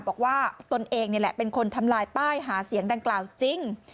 ตนเองนี่แหละเป็นคนทำลายป้ายหาเสียงดังกล่าวจริง